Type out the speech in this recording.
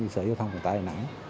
sở giao thông hồ tải hồ nẵng